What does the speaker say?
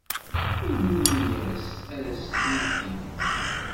Ini-as ad as-tent-id-yefk.